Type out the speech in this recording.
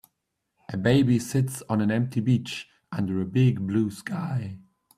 A baby sits on an empty beach under a big, blue sky.